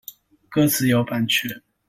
歌詞有版權